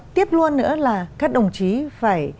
tiếp luôn nữa là các đồng chí phải